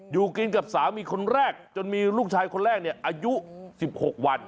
อยู่กินกับสามีคนแรกจนมีลูกชายคนแรกเนี่ยอายุ๑๖วัน